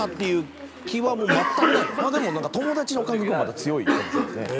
まあでも友達の感覚はまだ強いかもしれないですね。